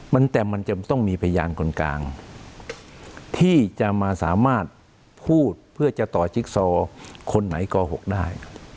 มันแต่มันจะต้องมีพยานคนกลางที่จะมาสามารถพูดเพื่อจะต่อจิ๊กซอคนไหนโกหกได้